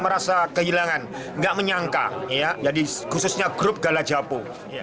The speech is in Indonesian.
merasa kehilangan nggak menyangka jadi khususnya grup gala japo